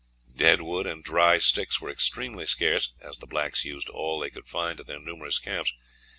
Dead wood and dry sticks were extremely scarce, as the blacks used all they could find at their numerous camps.